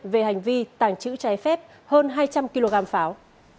về hành vi tàng trữ trái phép hơn hai trăm linh kg pháo